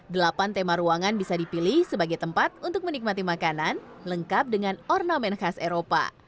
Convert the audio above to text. delapan tema ruangan bisa dipilih sebagai tempat untuk menikmati makanan lengkap dengan ornamen khas eropa